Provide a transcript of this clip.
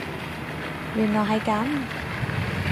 原來係噉